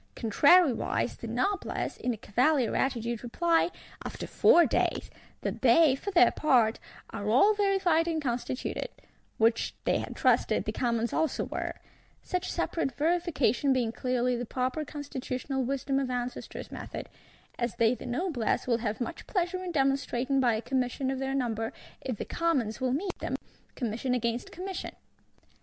Contrariwise the Noblesse, in cavalier attitude, reply, after four days, that they, for their part, are all verified and constituted; which, they had trusted, the Commons also were; such separate verification being clearly the proper constitutional wisdom of ancestors method;—as they the Noblesse will have much pleasure in demonstrating by a Commission of their number, if the Commons will meet them, Commission against Commission!